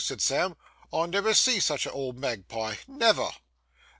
said Sam; 'I never see such a old magpie—never!